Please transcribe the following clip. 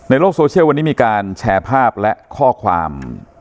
ในโลกโซเชียลวันนี้มีการแชร์ภาพและข้อความ